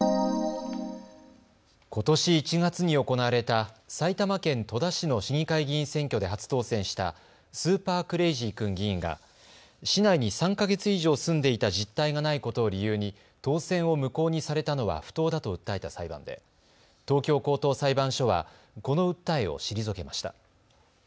ことし１月に行われた埼玉県戸田市の市議会議員選挙で初当選したスーパークレイジー君議員が市内に３か月以上住んでいた実態がないことを理由に当選を無効にされたのは不当だと訴えた裁判で東京高等裁判所は、この訴えを退けました。